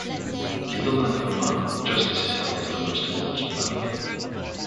In the land of Aman, justice is held as the most important value.